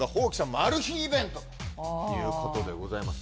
「マル秘イベント」ということでございます